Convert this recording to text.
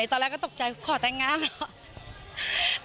ตอนแรกก็ตกใจขอแต่งงานเหรอ